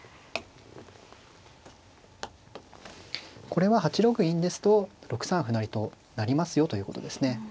これは８六銀ですと６三歩成と成りますよということですね。